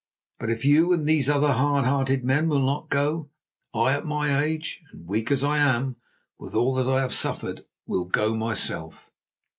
But if you and these other hard hearted men will not go, I at my age, and weak as I am with all that I have suffered, will go myself."